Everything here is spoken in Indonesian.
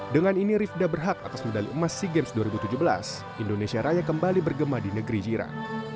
dengan ini rifda berhak atas medali emas sea games dua ribu tujuh belas indonesia raya kembali bergema di negeri jiran